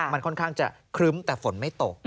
มันค่อนข้างจะครึ้มแต่ฝนไม่ตก